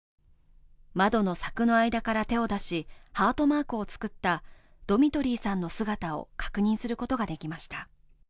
窓の柵の間から手を出し、ハートマークを作ったドミトリーさんの姿を確認することができました。